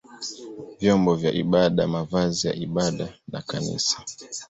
vyombo vya ibada, mavazi ya ibada na kanisa.